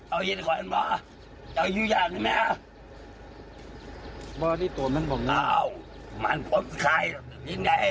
เอาประกาศว่าอะไรลองฟังละกันค่ะ